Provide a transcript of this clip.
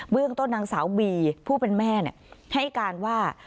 เรื่องต้นนางสาวบีผู้เป็นแม่ให้การว่า